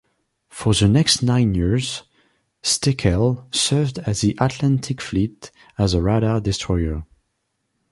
For the next nine years, "Stickell" served the Atlantic Fleet as a radar destroyer.